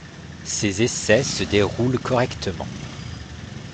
Ces essais se déroulent correctement.